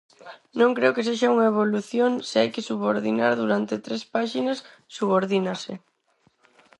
Non creo que sexa unha evolución: se hai que subordinar durante tres páxinas, subordínase.